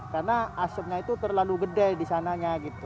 karena asemnya itu terlalu gede di sananya gitu